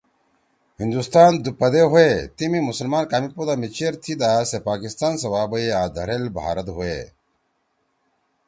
ہندوستان دُو پدے ہُوئے تی می مسلمان کامے پودا می چیر تھِی دا سے پاکستان سوَا بَئے آں دھریل بھارت ہوئے